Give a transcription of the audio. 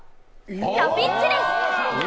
ラピッちです。